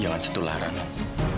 jangan sentuh lara anang